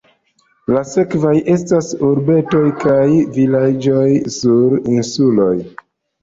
La sekvaj estas urbetoj kaj vilaĝoj sur insuloj.